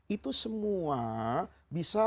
itu semua bisa